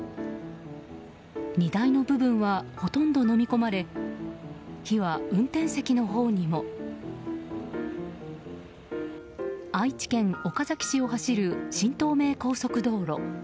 荷台の部分はほとんどのみ込まれ火は、運転席のほうにも。愛知県岡崎市を走る新東名高速道路。